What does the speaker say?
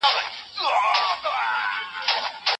که علم زده کړې، نو ستونزې به په اسانۍ حل کړې.